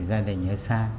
gia đình ở xa